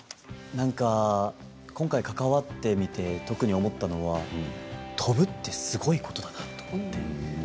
今回関わってみて特に思ったのは飛ぶってすごいことだなと思って。